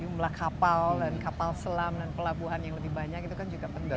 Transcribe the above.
jumlah kapal dan kapal selam dan pelabuhan yang lebih banyak itu kan juga penting